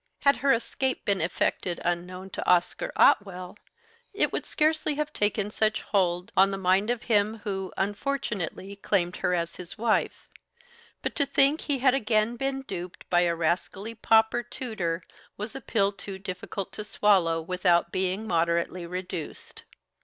Had her escape been effected unknown to Oscar Otwell, it would scarcely have taken such hold on the mind of him who, unfortunately, claimed her as his wife; but to think he had again been duped by a rascally pauper tutor was a pill too difficult to swallow without being moderately reduced.